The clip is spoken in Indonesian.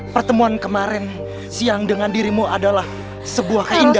pertemuan kemarin siang dengan dirimu adalah sebuah keindahan